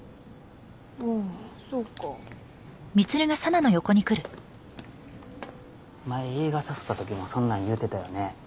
あっそうか前映画誘ったときもそんなん言うてたよね